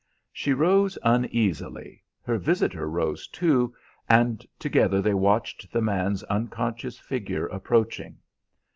She rose uneasily. Her visitor rose, too, and together they watched the man's unconscious figure approaching.